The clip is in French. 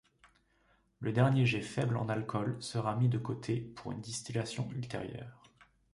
Le dernier jet faible en alcool sera mis de côté pour une distillation ultérieure.